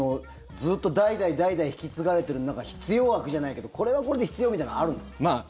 ずっと代々代々引き継がれている必要悪じゃないけどこれはこれで必要みたいなのはあるんですか？